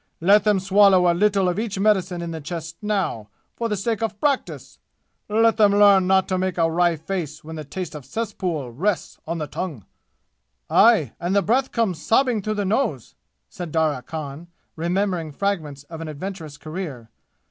Let them swallow a little of each medicine in the chest now, for the sake of practise! Let them learn not to make a wry face when the taste of cess pools rests on the tongue " "Aye, and the breath comes sobbing through the nose!" said Darya Khan, remembering fragments of an adventurous career.